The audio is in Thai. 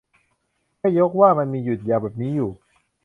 แค่ยกว่า มันมีหยุดยาวแบบนี้อยู่